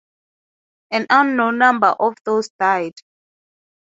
An unknown number of those died.